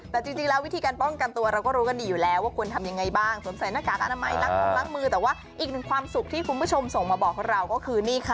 แต่จริงแล้ววิธีการป้องกันตัวเราก็รู้กันดีอยู่แล้วว่าควรทำยังไงบ้างสวมใส่หน้ากากอนามัยล้างท้องล้างมือแต่ว่าอีกหนึ่งความสุขที่คุณผู้ชมส่งมาบอกเราก็คือนี่ค่ะ